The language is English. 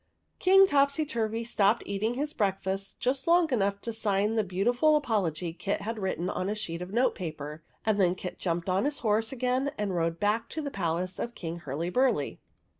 King Topsyturvy stopped eating his break fast, just long enough to sign the beautiful apology Kit had written on a sheet of note paper; and then Kit jumped on his horse again and rode back to the palace of King Hurly burly.